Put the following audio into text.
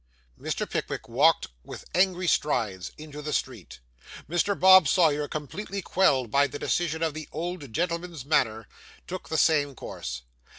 Mr. Pickwick walked with angry strides into the street. Mr. Bob Sawyer, completely quelled by the decision of the old gentleman's manner, took the same course.